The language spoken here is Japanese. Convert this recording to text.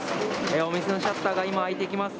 お店のシャッターが今、開いていきます。